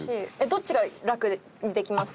どっちがラクできますか？